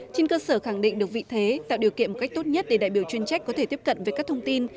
trên cơ sở khẳng định được vị thế tạo điều kiện một cách tốt nhất để đại biểu chuyên trách có thể tiếp cận với các thông tin